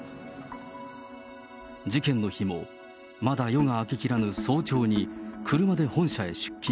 事件の日も、まだ夜が明けきらぬ早朝に、車で本社へ出勤。